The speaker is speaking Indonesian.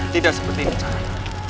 tidak seperti ini kakak